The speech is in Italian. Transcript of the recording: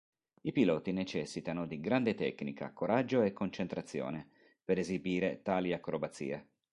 I piloti necessitano di grande tecnica, coraggio e concentrazione per esibire tali acrobazie.